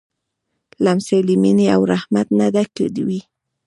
لمسی له مینې او رحمت نه ډک وي.